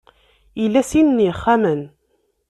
Ila sin n yixxamen.